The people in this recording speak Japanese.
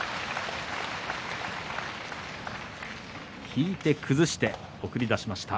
引いて、崩して送り出しました。